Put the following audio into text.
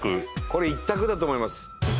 これ一択だと思います。